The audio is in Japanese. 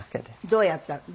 どうやったの？